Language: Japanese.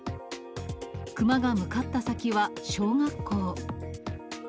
クマが向かった先は小学校。